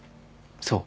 そう。